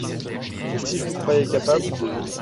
Mais si je vous croyais capable de…